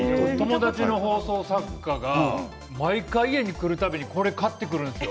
友達の放送作家が毎回家に来る度にこれを買ってきてくれんですよ。